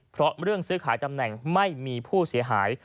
เพราะเรื่องซื้อขายตำแหน่งไม่มีผู้เสียหาย